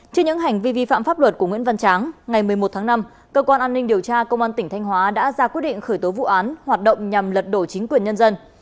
trên những hành vi vi phạm pháp luật của nguyễn văn tráng ngày một mươi một tháng năm cơ quan an ninh điều tra công an tỉnh thanh hóa đã ra quyết định khởi tố vụ án hoạt động nhằm lật đổ chính quyền nhân dân